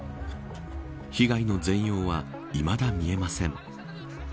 被害の全容はいまだ見えません。